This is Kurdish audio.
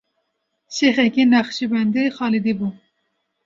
Şêxekî Neqşîbendî Xalidî bû.